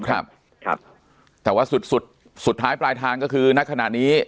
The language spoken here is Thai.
ครับครับแต่ว่าสุดสุดสุดท้ายปลายทางก็คือนักขณะนี้